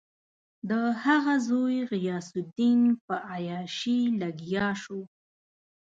د هغه زوی غیاث الدین په عیاشي لګیا شو.